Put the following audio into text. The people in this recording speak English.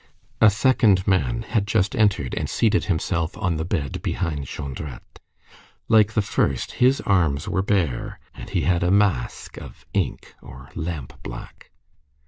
A second man had just entered and seated himself on the bed, behind Jondrette. Like the first, his arms were bare, and he had a mask of ink or lampblack.